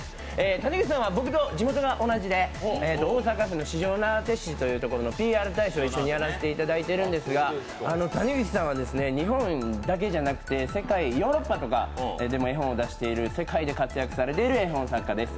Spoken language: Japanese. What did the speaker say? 谷口さんは僕と地元が同じで、大阪市の四條畷市というところでＰＲ大使を一緒にやらせてもらってるんですが谷口さんは日本だけじゃなくて世界、ヨーロッパだとかでも絵本を出している世界で活躍されている絵本作家です。